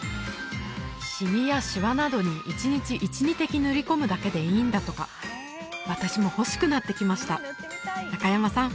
シミやシワなどに１日１２滴塗り込むだけでいいんだとか私も欲しくなってきました中山さん